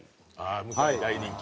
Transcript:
向井大人気。